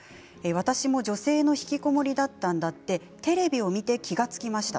私も女性のひきこもりだったんだってテレビを見て気が付きました。